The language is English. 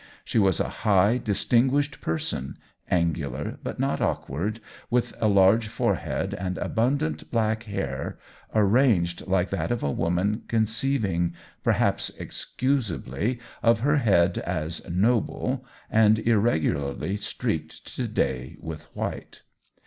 She was a high, distinguished person ; angular but not awkward, with a large fore head and abundant black hair, arranged I64 OWEN WINGRAVE like that of a woman conceiving, perhaps excusably, of her head as "noble,'* and irregularly streaked to day with white.